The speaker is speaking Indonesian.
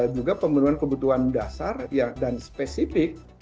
juga pemenuhan kebutuhan dasar dan spesifik